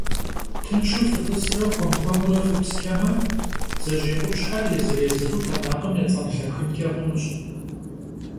Тыншу фытӏысрэ хуэм-хуэмурэ фыпсчэмэ, бдзэжьей къупщхьэр езыр-езыру тэмакъым ецӏэнлъэхынкӏэ хъунущ.